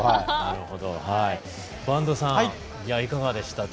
播戸さん、いかがでした？